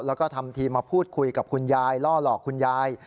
แล้วก็ทำทีมาพูดคุยกับคุณยายล่อหลอกคุณยาย